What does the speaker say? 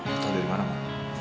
lo tau dari mana mon